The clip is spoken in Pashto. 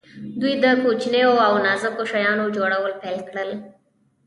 دوی د کوچنیو او نازکو شیانو جوړول پیل کړل.